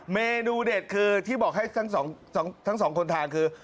เมนูเด็ดคือที่บอกให้ทั้งสองคนทานคือ